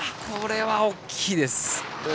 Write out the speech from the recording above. これは大きいです。